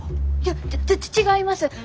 いやち違います！